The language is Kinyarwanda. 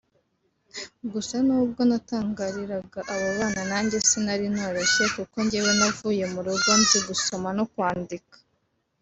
gusa n’ubwo natangariraga abo bana nanjye sinari noroshye kuko jyewe navuye mu rugo nzi gusoma no kwandika